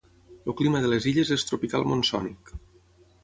El clima de les illes és tropical monsònic.